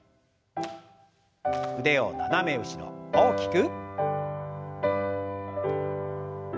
腕を斜め後ろ大きく。